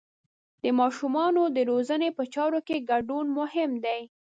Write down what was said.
د ماشومانو د روزنې په چارو کې ګډون مهم دی.